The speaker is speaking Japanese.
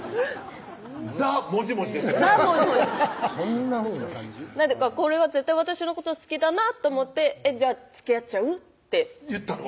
ザ・もじもじですよねザ・もじもじこれは絶対私のこと好きだなと思って「じゃあつきあっちゃう？」って言ったの？